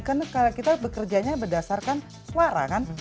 karena kita bekerjanya berdasarkan suara kan